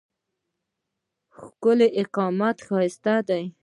ښکېلی قامت ښایسته دی.